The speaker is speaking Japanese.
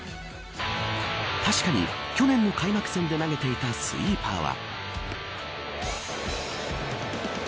確かに去年の開幕戦で投げていたスイーパーは。